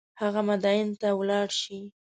هغه مدین ته ولاړ شي.